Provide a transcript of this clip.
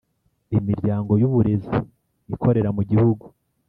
Imiryango y uburezi ikorera mu gihugu